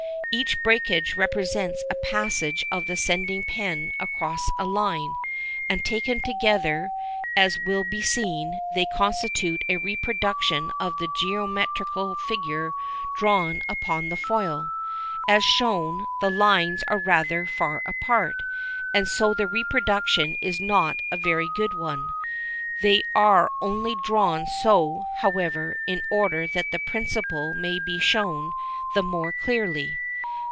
Each breakage represents a passage of the sending pen across a line, and taken together, as will be seen, they constitute a reproduction of the geometrical figure drawn upon the foil. As shown, the lines are rather far apart, and so the reproduction is not a very good one. They are only drawn so, however, in order that the principle may be shown the more clearly.